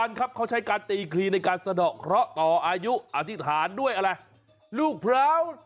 ครับเขาใช้การตีคลีในการสะดอกเคราะห์ต่ออายุอธิษฐานด้วยอะไรลูกพร้าว